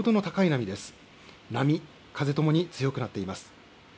波風ともに強くなっています。